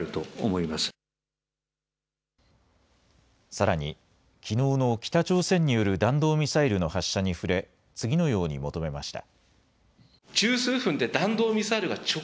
さらに、きのうの北朝鮮による弾道ミサイルの発射に触れ次のように求めました。